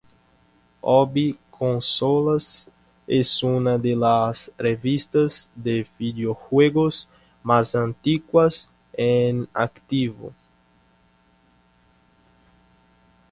Hobby Consolas es una de las revistas de videojuegos más antiguas en activo.